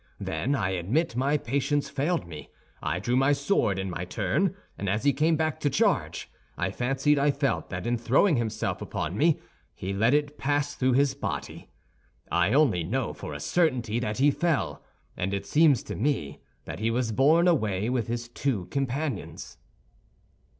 Then I admit my patience failed me; I drew my sword in my turn, and as he came back to the charge, I fancied I felt that in throwing himself upon me, he let it pass through his body. I only know for a certainty that he fell; and it seemed to me that he was borne away with his two companions."